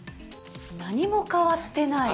何も変わってない？